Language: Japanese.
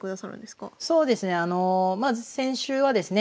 そうですねあのまず先週はですね